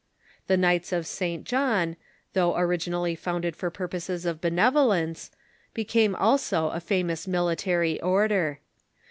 The Knights of St. John, though originally founded for pur poses of benevolence, became also a famous military order.